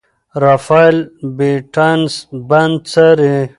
رافایل بیټانس بند څاري.